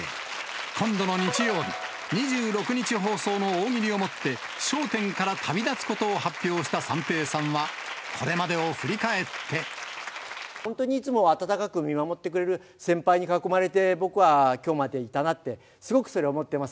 今度の日曜日２６日放送の大喜利をもって、笑点から旅立つことを発表した三平さんは、これまでを本当にいつも温かく見守ってくれる先輩に囲まれて、僕はきょうまでいたなって、すごくそれは思っています。